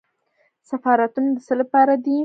سفارتونه د څه لپاره دي؟